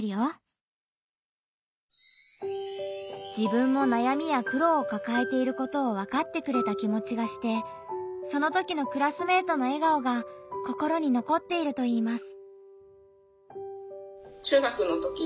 自分も悩みや苦労をかかえていることを分かってくれた気持ちがしてそのときのクラスメートの笑顔が心に残っているといいます。